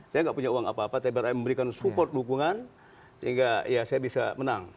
saya nggak punya uang apa apa tapi memberikan support dukungan sehingga ya saya bisa menang